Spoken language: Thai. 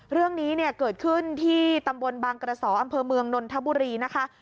เรื่องนี้เนี่ยเกิดขึ้นที่ตำบลบางกระสออำเภอเมืองนนทบุรีนะคะ